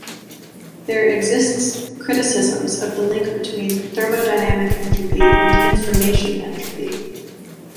There exists criticisms of the link between thermodynamic entropy and information entropy.